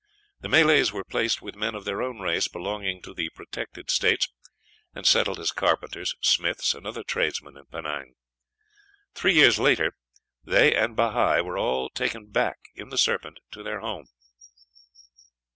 The Malays were placed with men of their own race belonging to the protected States, and settled as carpenters, smiths, and other tradesmen in Penang. Three years later, they and Bahi were all taken back in the Serpent to their home.